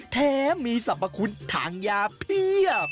แถมมีสรรพคุณทางยาเพียบ